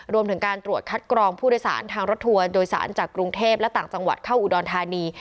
รวมถึงการตรวจคัดกรองผู้โดยสารทางรถทัวร์โดยสารจากกรุงเทพและต่างจังหวัดเข้าอุดรธานี